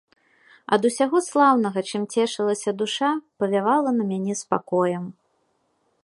Ад усяго слаўнага, чым цешылася душа, павявала на мяне спакоем.